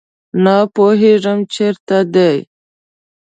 نه پوهیږم چیرته دي